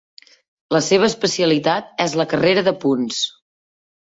La seva especialitat és la carrera de punts.